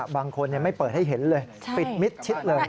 บางคนไม่เปิดให้เห็นเลยปิดมิดชิดเลย